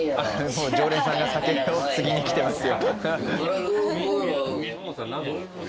もう常連さんが酒をつぎに来てますよ。